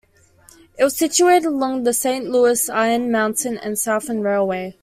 It was situated along the Saint Louis, Iron Mountain and Southern Railway.